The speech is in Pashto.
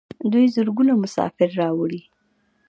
دوی زرګونه مسافر راوړي.